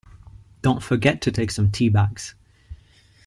Don't forget to take some tea bags!